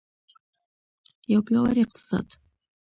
یو پیاوړی اقتصاد.